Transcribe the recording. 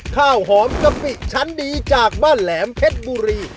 ข้าวหอมกะปิชั้นดีจากบ้านแหลมเพชรบุรี